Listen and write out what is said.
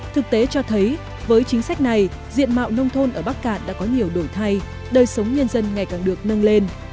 thực tế cho thấy với chính sách này diện mạo nông thôn ở bắc cạn đã có nhiều đổi thay đời sống nhân dân ngày càng được nâng lên